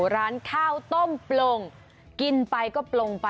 ร้านข้าวต้มปลง